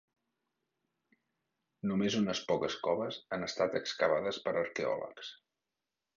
Només unes poques coves han estat excavades per arqueòlegs.